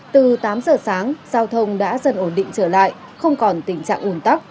từ tám giờ sáng giao thông đã dần ổn định trở lại không còn tình trạng ủn tắc